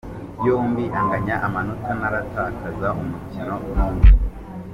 Yombi anganya amanota ntaratakaza umukino n’umwe.